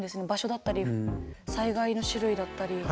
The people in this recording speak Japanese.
場所だったり災害の種類だったり。